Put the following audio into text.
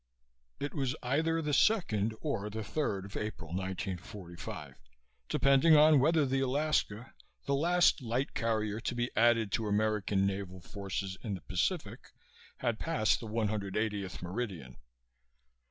It was either the second or the third of April, 1945, depending on whether the Alaska, the latest light carrier to be added to American naval forces in the Pacific, had passed the 180th meridian.